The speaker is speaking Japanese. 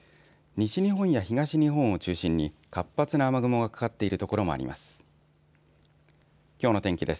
西日本や東日本を中心に活発な雨雲がかかっている所もあります。